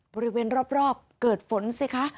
บริเวณรอบเกิดฝนสิคะ